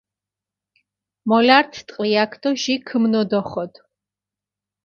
მოლართ ტყვიაქ დო ჟი ქჷმნოდოხოდ.